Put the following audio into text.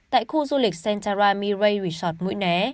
tại khu du lịch sentara mirai resort mũi né